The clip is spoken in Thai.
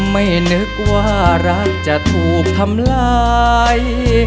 ไม่นึกว่ารักจะถูกทำร้าย